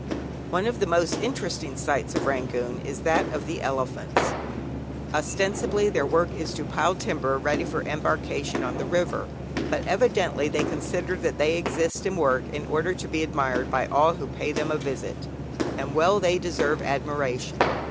One of the most interesting sights of Rangoon is that of the elephants. Ostensibly their work is to pile timber ready for embarkation on the river, but evidently they consider that they exist and work in order to be admired by all who pay them a visit. And well they deserve admiration!